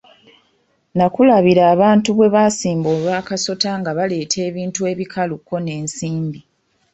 Nakulabira abantu bwe basimba olwa kasota nga baleeta ebintu ebikalu kko n'ensimbi.